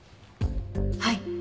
はい。